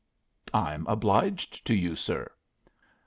"I'm obliged to you, sir."